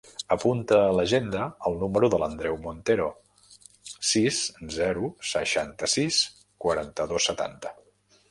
Apunta a l'agenda el número de l'Andreu Montero: sis, zero, seixanta-sis, quaranta-dos, setanta.